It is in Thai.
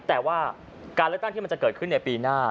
แต่ว่าการเลือกตั้งที่มันจะเกิดขึ้นในปีหน้า